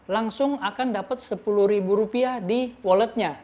langsung akan dapat sepuluh ribu rupiah di walletnya